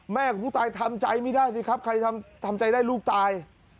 ของผู้ตายทำใจไม่ได้สิครับใครทำใจได้ลูกตาย